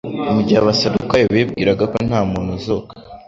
Mu gihe abasadukayo bibwiraga ko nta muntu uzuka,